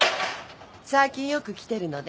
最近よく来てるのね。